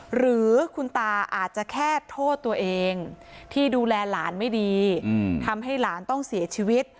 หรือคุณตาอาจจะแค่โทษตัวเองที่ดูแลหลานไม่ดีทำให้หลานต้องเสียชีวิต